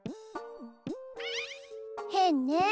へんね